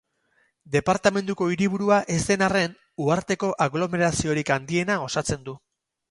Departamenduko hiriburua ez den arren, uharteko aglomeraziorik handiena osatzen du.